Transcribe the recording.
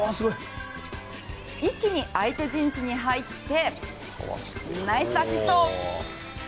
一気に相手陣地に入ってナイスアシスト。